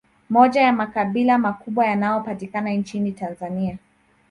Moja ya makabila makubwa yanayo patikana nchini Tanzania